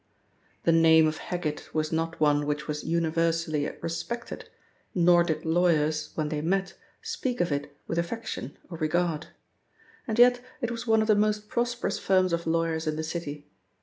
The name of Heggitt was not one which was universally respected, nor did lawyers, when they met, speak of it with affection or regard. And yet it was one of the most prosperous firms of lawyers in the city.